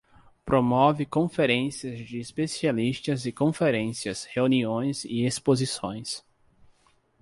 Promove conferências de especialistas e conferências, reuniões e exposições.